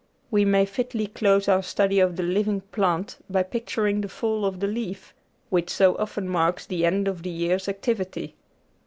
We may fitly close our study of the living plant by picturing the fall of the leaf, which so often marks the end of the year's activity.